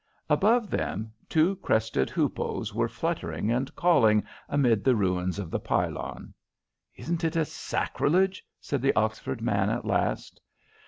Above them two crested hoopoes were fluttering and calling amid the ruins of the pylon. "Isn't it a sacrilege?" said the Oxford man, at last.